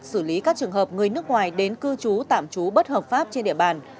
xử lý các trường hợp người nước ngoài đến cư trú tạm trú bất hợp pháp trên địa bàn